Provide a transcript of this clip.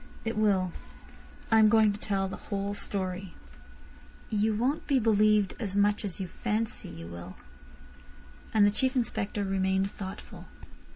"It will. I am going to tell the whole story." "You won't be believed as much as you fancy you will." And the Chief Inspector remained thoughtful.